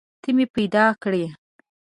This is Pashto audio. ته مې پیدا کړي